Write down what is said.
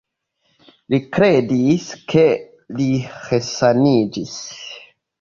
Li kredis, ke li resaniĝis.